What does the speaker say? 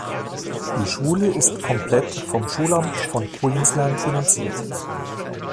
Die Schule ist komplett vom Schulamt von Queensland finanziert.